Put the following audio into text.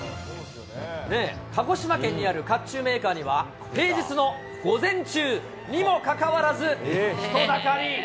鹿児島県にあるかっちゅうメーカーには、平日の午前中にもかかわらず、人だかり。